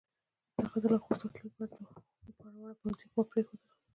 هغه د لاهور د ساتلو لپاره وړه پوځي قوه پرېښودله.